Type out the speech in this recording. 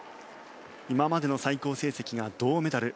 今までの最高成績が銅メダル。